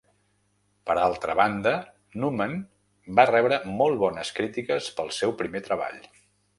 Per altra banda, Numen va rebre molt bones crítiques pel seu primer treball.